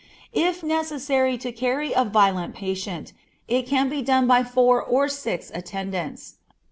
If necessary to carry a violent patient, it can be done by four or six attendants.